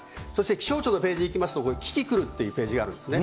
気象庁のページにいきますとキキクルっていうページがあるんですね。